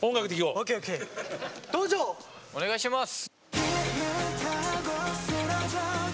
お願いします！